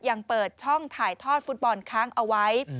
ยังเปิดช่องถ่ายทอดฟุตบอลค้างเอาไว้